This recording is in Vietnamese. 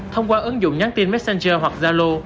thông qua ứng dụng nhắn tin messenger hoặc zalo